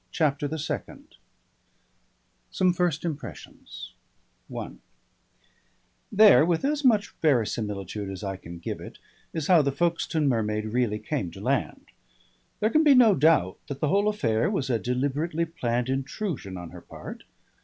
CHAPTER THE SECOND SOME FIRST IMPRESSIONS I There with as much verisimilitude as I can give it, is how the Folkestone mermaid really came to land. There can be no doubt that the whole affair was a deliberately planned intrusion upon her part.